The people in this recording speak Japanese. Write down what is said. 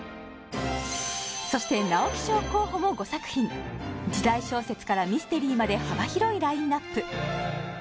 そして直木賞候補も５作品時代小説からミステリーまで幅広いラインナップ